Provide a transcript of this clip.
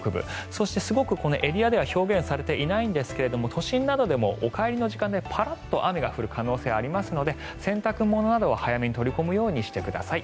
そして、エリアでは表現されていないんですが都心などでもお帰りの時間でパラッと雨が降る可能性がありますので洗濯物などは早めに取り込むようにしてください。